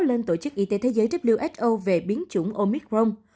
lên tổ chức y tế thế giới who về biến chủng omicron